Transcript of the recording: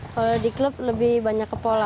kalau di klub lebih banyak ke pola